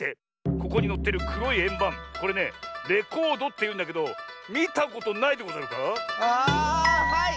ここにのってるくろいえんばんこれねレコードっていうんだけどみたことないでござるか？